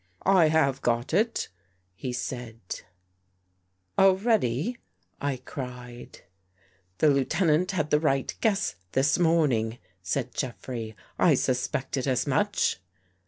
" I have got it," he said. 77 THE GHOST GIRL "Already?" I cried. " The Lieutenant had the right guess this morn ing," said Jeffrey. " I suspected as much."